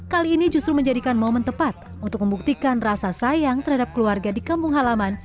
kali ini justru menjadikan momen tepat untuk membuktikan rasa sayang terhadap keluarga di kampung halaman